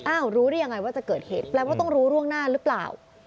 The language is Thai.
รู้ได้ยังไงว่าจะเกิดเหตุแปลว่าต้องรู้ร่วงหน้าหรือเปล่า